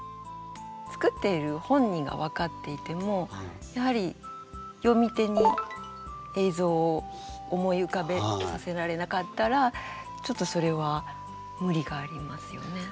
作っている本人が分かっていてもやはり読み手に映像を思い浮かべさせられなかったらちょっとそれは無理がありますよね。